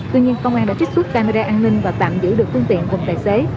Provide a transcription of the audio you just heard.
tuy nhiên công an đã trích xuất camera an ninh và tạm giữ được phương tiện cùng tài xế